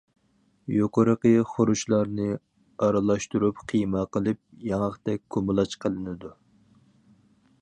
يۇقىرىقى خۇرۇچلارنى ئارىلاشتۇرۇپ قىيما قىلىپ ياڭاقتەك كۇمىلاچ قىلىنىدۇ.